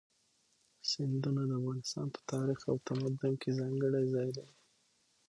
سیندونه د افغانستان په تاریخ او تمدن کې ځانګړی ځای لري.